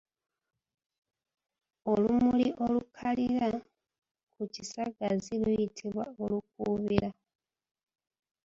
Olumuli olukalira ku kisagazi luyitibwa Olukuubiira.